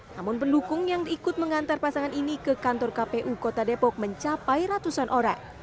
namun pendukung yang ikut mengantar pasangan ini ke kantor kpu kota depok mencapai ratusan orang